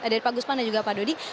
dari pak gusman dan juga pak dodi